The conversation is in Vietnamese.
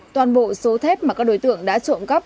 toàn bộ số thép mà các đối tượng đã trộm cắp